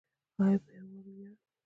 آیا په یوالي ویاړو؟